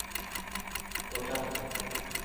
کوټه